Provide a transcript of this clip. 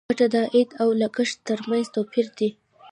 ګټه د عاید او لګښت تر منځ توپیر دی.